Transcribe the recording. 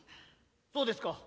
そうですか。